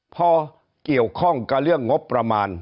พอเกี่ยวข้องกับเรื่องงบประมาณ